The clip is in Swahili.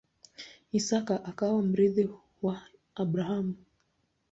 Isaka akawa mrithi wa Abrahamu.